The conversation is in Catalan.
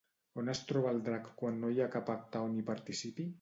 On es troba el drac quan no hi ha cap acte on hi participi?